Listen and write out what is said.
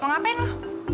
mau ngapain lu